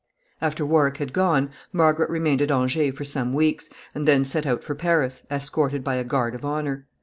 ] After Warwick had gone, Margaret remained at Angers for some weeks, and then set out for Paris, escorted by a guard of honor.